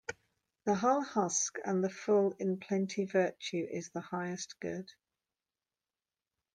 The hull husk and the full in plenty Virtue is the highest good.